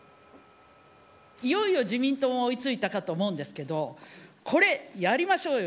いよいよ自民党も追いついたかと思うんですけど、これ、やりましょうよ。